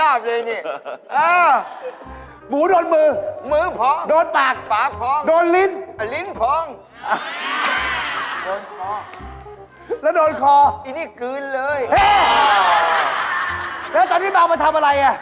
อ้าวหมูโดนมือโดนตากโดนลิ้นแล้วโดนคอแล้วตอนนี้บางมันทำอะไร